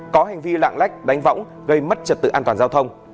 có hành vi lạng lách đánh võng gây mất trật tự an toàn giao thông